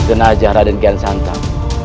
genajah raden kian santan